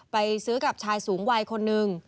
ไปซื้อกับชายสูงวัยคนนึง